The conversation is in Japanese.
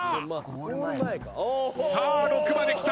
さあ６まできた。